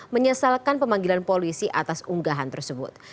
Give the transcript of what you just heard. menyesalkan pemanggilan polisi atas unggahan tersebut